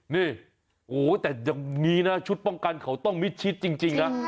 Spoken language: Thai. นี่ว้าวอย่างนี้ชุดเป้ากันเขาต้องมีชิดจริง